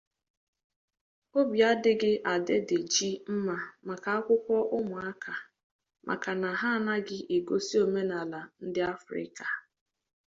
Obi adịghị Adedeji mma maka akwụkwọ ụmụaka maka na ha anaghị egosi omenaala ndị Africa.